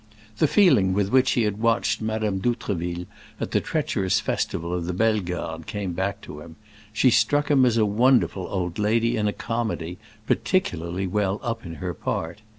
The feeling with which he had watched Madame d'Outreville at the treacherous festival of the Bellegardes came back to him; she struck him as a wonderful old lady in a comedy, particularly well up in her part.